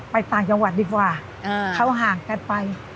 ไปต่างจังหวัดดีกว่าอืมเขาห่างกันไปอ๋อ